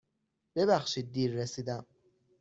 ببخشید دیر رسیدم.